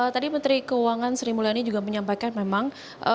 tadi menteri keuangan sri mulyani juga menyampaikan memang